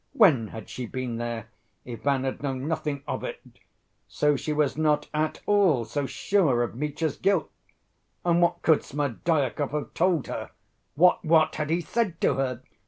When had she been there? Ivan had known nothing of it. So she was not at all so sure of Mitya's guilt! And what could Smerdyakov have told her? What, what, had he said to her?